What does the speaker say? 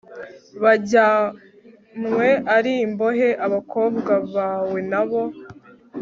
bajyanywe ari imbohe abakobwa bawe na bo